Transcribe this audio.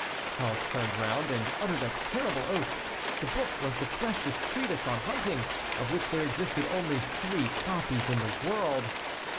Charles turned round and uttered a terrible oath. The book was the precious treatise on hunting, of which there existed only three copies in the world.